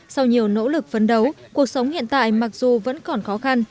sau nhiều nỗ lực phấn đấu cuộc sống hiện tại mặc dù vẫn còn khó khăn